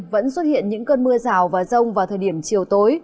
vẫn xuất hiện những cơn mưa rào và rông vào thời điểm chiều tối